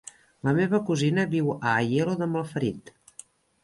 La meva cosina viu a Aielo de Malferit.